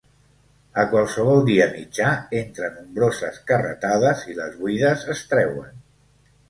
A qualsevol dia mitjà, entre nombroses carretades i les buides es treuen.